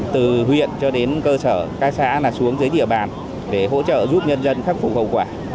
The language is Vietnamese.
từ huyện cho đến cơ sở các xã xuống dưới địa bàn để hỗ trợ giúp nhân dân khắc phục hậu quả